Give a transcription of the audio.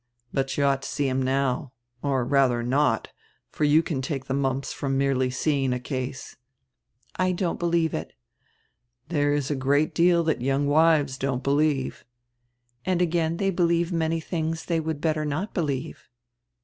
But you ought to see him now. Or rather not, for you can take the mumps from merely seeing a case." "I don't believe it." "There is a great deal diat young wives don't believe." "And again diey believe many tilings they would better not believe."